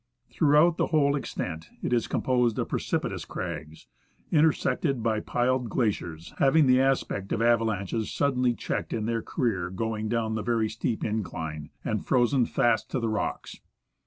Throughout the whole extent it is composed of precipitous crags, intersected by piled glaciers, having the aspect of avalanches suddenly checked in their career down the very steep incline, and frozen fast to the rocks.